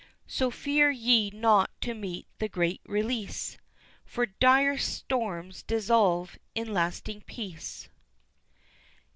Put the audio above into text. So fear ye not to meet the great release, For direst storms dissolve in lasting peace.